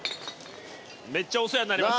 めっちゃお世話になりました。